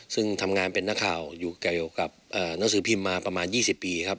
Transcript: ซึ่งทำงานเป็นนักข่าวอยู่เกี่ยวกับหนังสือพิมพ์มาประมาณ๒๐ปีครับ